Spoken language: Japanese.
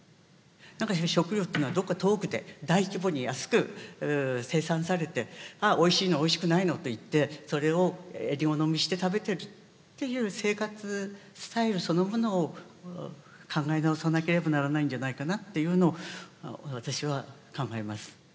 何か食料というのはどこか遠くで大規模に安く生産されてああおいしいのおいしくないのと言ってそれをえり好みして食べてるっていう生活スタイルそのものを考え直さなければならないんじゃないかなっていうのを私は考えます。